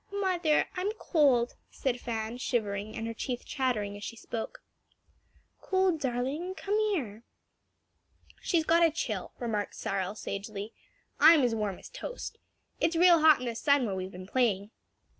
"Mother, I'm cold," said Fan shivering, and her teeth chattering as she spoke. "Cold, darling? Come here." "She's got a chill," remarked Cyril sagely. "I'm as warm as toast. It's real hot in the sun where we've been playing."